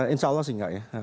insya allah sih enggak ya